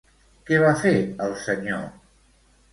Què va fer el senyor?